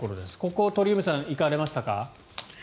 ここ、鳥海さん行かれましたか。